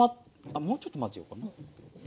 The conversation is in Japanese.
あっもうちょっと混ぜようかな。